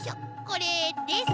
これです。